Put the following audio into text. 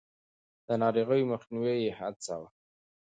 د ناروغيو مخنيوی يې هڅاوه.